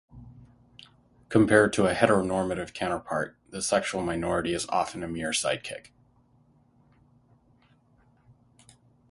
Compared to a heteronormative counterpart, the sexual minority is often a mere side-kick.